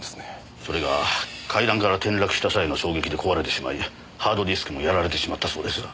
それが階段から転落した際の衝撃で壊れてしまいハードディスクもやられてしまったそうです。